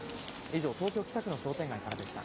以上、東京・北区の商店街からでした。